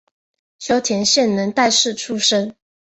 秋田县能代市出身。